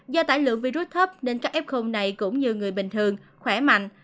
do tải lượng virus thấp nên các f này cũng như người bình thường khỏe mạnh